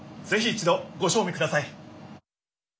ぜひ一度ごしょう味ください！